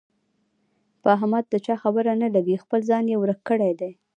په احمد د چا خبره نه لګېږي، خپل ځان یې ورک کړی دی.